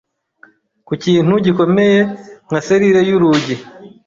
Ku kintu gikomeye nka 'serire' y'urugi